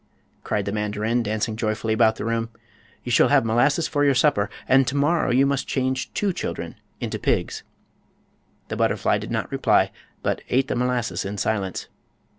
cried the mandarin, dancing joyfully about the room. "You shall have molasses for your supper, and to morrow you must change two children into pigs." The butterfly did not reply, but ate the molasses in silence.